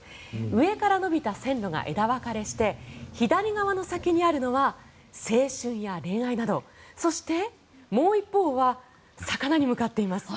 上から伸びた線路が枝分かれして左側の先にあるのは青春や恋愛などそして、もう一方は魚に向かっています。